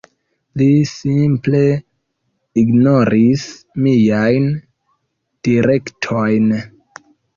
Li simple ignoris miajn direktojn.